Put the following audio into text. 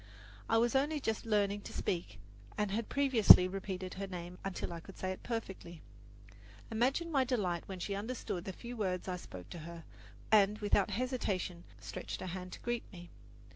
I was only just learning to speak, and had previously repeated her name until I could say it perfectly. Imagine my delight when she understood the few words I spoke to her and without hesitation stretched her hand to greet me.